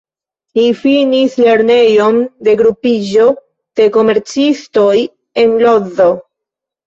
Li finis Lernejon de Grupiĝo de Komercistoj en Lodzo.